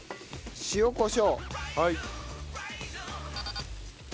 塩コショウ。